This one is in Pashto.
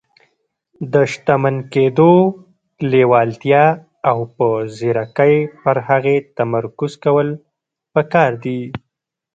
د شتمن کېدو لېوالتیا او په ځيرکۍ پر هغې تمرکز کول پکار دي.